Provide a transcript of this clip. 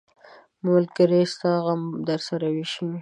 ملګری ستا غم درسره ویشي.